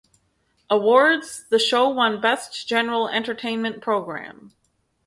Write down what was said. Awards, the show won "Best General Entertainment Program".